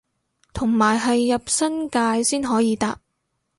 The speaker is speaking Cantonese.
同埋係入新界先可以搭